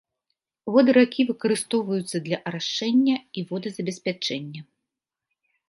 Воды ракі выкарыстоўваюцца для арашэння і водазабеспячэння.